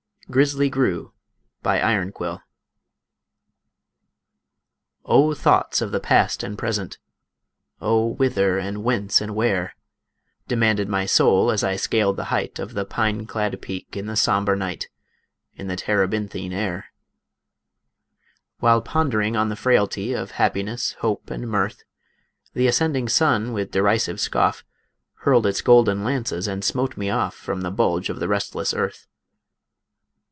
GRIZZLY GRU BY IRONQUILL O Thoughts of the past and present, O whither, and whence, and where, Demanded my soul, as I scaled the height Of the pine clad peak in the somber night, In the terebinthine air. While pondering on the frailty Of happiness, hope, and mirth, The ascending sun with derisive scoff Hurled its golden lances and smote me off From the bulge of the restless earth.